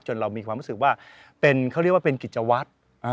เรามีความรู้สึกว่าเขาเรียกว่าเป็นกิจวัตร